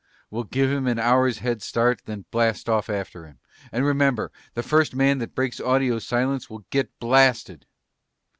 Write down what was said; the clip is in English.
"We'll give him an hour's head start and then blast off after him. And remember, the first man that breaks audio silence will get blasted!"